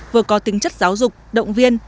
vừa có tính chất giáo dục động viên